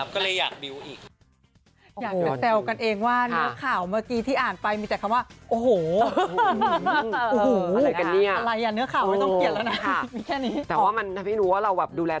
คืออันนั้นคือเป็นความฝันเลย